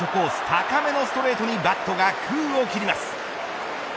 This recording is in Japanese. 高めのストレートにバットが空を切ります。